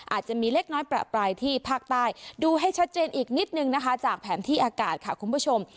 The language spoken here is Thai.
อาจจะมีเล็กน้อยประปรายที่ภาคใต้ดูให้ชัดเจนอีกนิดนึงนะคะจากแผนที่อากาศค่ะคุณผู้ชม